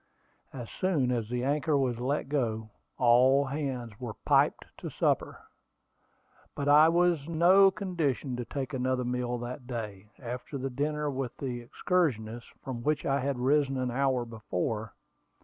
As soon as the anchor was let go, all hands were piped to supper; but I was in no condition to take another meal that day, after the dinner with the excursionists, from which I had risen an hour before.